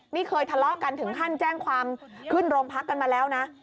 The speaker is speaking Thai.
นี่เคยทะเลาะกันถึงขั้นแจ้งความขึ้นโรงพักกันมาแล้วนะ